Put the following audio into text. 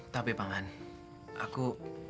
tapi paman aku